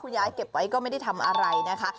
ยายเก็บไว้ก็ไม่ได้ทำอะไรนะคะ